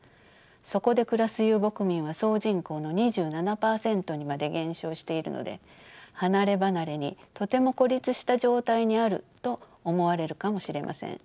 そこで暮らす遊牧民は総人口の２７％にまで減少しているので離れ離れにとても孤立した状態にあると思われるかもしれません。